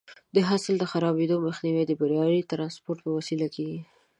د حاصل د خرابېدو مخنیوی د معیاري ټرانسپورټ په وسیله کېږي.